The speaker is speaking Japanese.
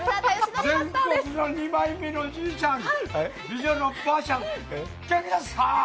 全国の二枚目のじーちゃん、美女のばーちゃん、元気ですか？